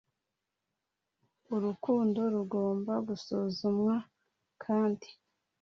Urukundo rugomba gusuzumwa kandi